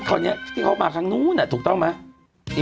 คราวนี้ที่เขามาครั้งนู้นถูกต้องไหม